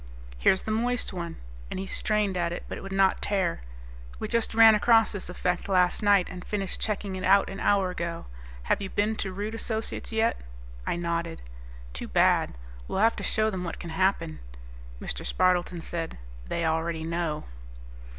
"Here's the moist one." And he strained at it, but it would not tear. "We just ran across this effect last night, and finished checking it out an hour ago. Have you been to Rude Associates yet?" I nodded. "Too bad. We'll have to show them what can happen." Mr. Spardleton said, "They already know."